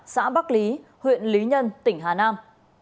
xã bắc lý huyện lý nhân tỉnh hà nam